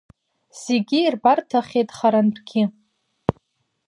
Зегьы ирбарҭахеит харантәгьы.